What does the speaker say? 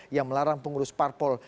yang melarang pengurus parpol